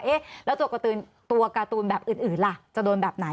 หวกเข้าไปได้ไว้แล้วผู้การ์ตูนการ์ตูนแบบอื่นร่าจะโดนแบบไหน